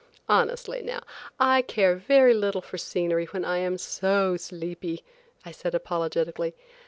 "Honestly, now, I care very little for scenery when I am so sleepy," I said apologetically.